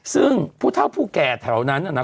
ซึ่งผู้เท่าผู้แก่แถวนั้นนะ